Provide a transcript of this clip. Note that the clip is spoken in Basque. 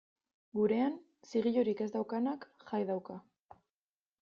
Gurean, zigilurik ez daukanak jai dauka.